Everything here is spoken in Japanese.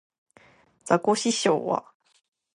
ザコシショウは